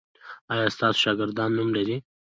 ایا ستاسو شاګردان نوم لری؟